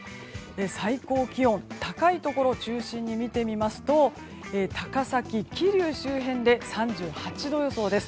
最高気温高いところを中心に見てみますと高崎、桐生周辺で３８度予想です。